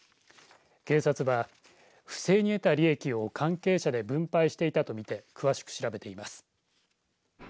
警察は不正に得た利益を関係者で分配していたとみて詳しく調べています。